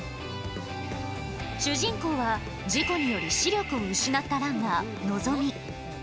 主人公は、事故により視力を失ったランナー・のぞみ。